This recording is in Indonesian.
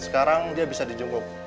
sekarang dia bisa dijungguk